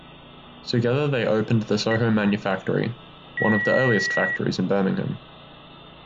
Together they opened the Soho Manufactory, one of the earliest factories in Birmingham.